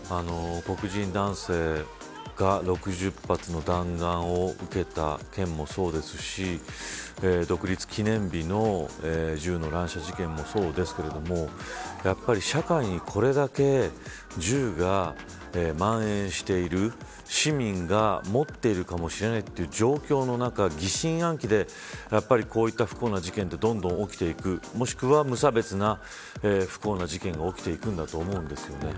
黒人男性が６０発の弾丸を受けた件もそうですし独立記念日の銃の乱射事件もそうですけれどもやっぱり社会に、これだけ銃がまん延している市民が持っているかもしれないという状況の中疑心暗鬼でこういった不幸な事件ってどんどん起きていくもしくは無差別な不幸な事件が起きていくんだと思うんですよね。